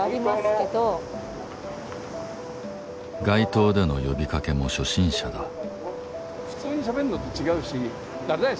街頭での呼びかけも初心者だ。